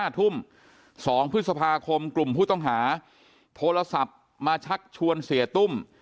๕ทุ่ม๒พฤษภาคมกลุ่มผู้ต้องหาโทรศัพท์มาชักชวนเสียตุ้ม